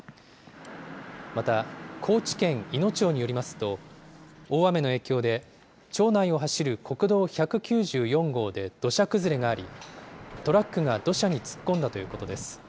また、高知県いの町によりますと、大雨の影響で、町内を走る国道１９４号で土砂崩れがあり、トラックが土砂に突っ込んだということです。